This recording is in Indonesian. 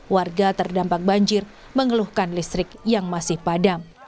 warga terdampak banjir mengeluhkan listrik yang masih padam